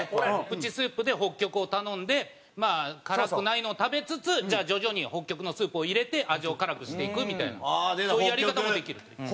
プチスープで北極を頼んでまあ辛くないのを食べつつ徐々に北極のスープを入れて味を辛くしていくみたいなそういうやり方もできるっていう。